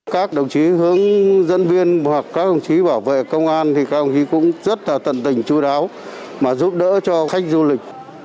các đồng chí hướng dẫn viên hoặc các đồng chí bảo vệ công an thì các ông chí cũng rất là tận tình chú đáo mà giúp đỡ cho khách du lịch